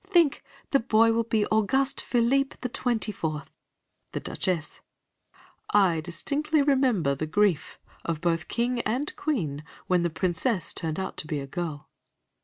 Think, the boy will be Auguste Philippe the Twenty fourth! The Duchess: I distinctly remember the grief of both the King and Queen when the Princess turned out to be a girl.